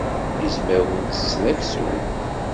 Izmawen ttetten aksum.